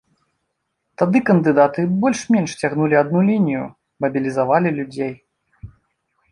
Тады кандыдаты больш-менш цягнулі адну лінію, мабілізавалі людзей.